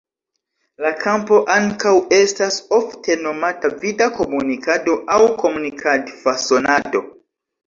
La kampo ankaŭ estas ofte nomata "Vida Komunikado" aŭ "Komunikad-fasonado".